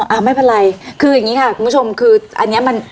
อ่าไม่เป็นไรคืออย่างนี้ค่ะคุณผู้ชมคืออันนี้มัน